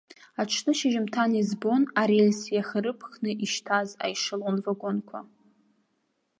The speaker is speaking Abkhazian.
Аҽны шьыжьымҭан избон арельс иахарыԥхны ишьҭаз аешелон вагонқәа.